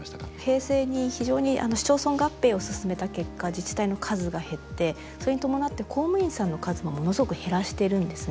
平成に非常に市町村合併を進めた結果自治体の数が減ってそれに伴って公務員さんの数もものすごく減らしてるんですね。